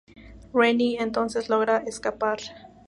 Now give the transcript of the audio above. Rennie entonces logra escapar.